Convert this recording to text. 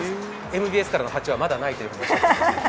ＭＢＳからの発注はまだないということです。